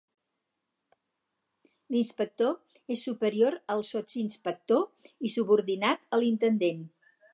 L'inspector és superior al sotsinspector i subordinat a l'intendent.